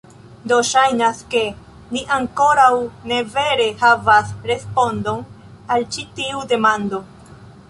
Do ŝajnas ke ni ankoraŭ ne vere havas respondon al ĉi tiu demando